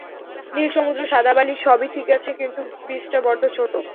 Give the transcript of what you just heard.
নীল সমুদ্র, সাদা বালি সবই ঠিক আছে, কিন্তু বিচটা বড্ড ছোট।